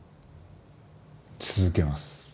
続けます。